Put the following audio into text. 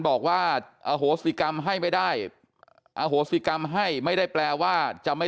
บอกว่าอโหสิกรรมให้ไม่ได้อโหสิกรรมให้ไม่ได้แปลว่าจะไม่